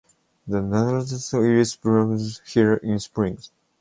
The Nazareth Iris blooms here in spring.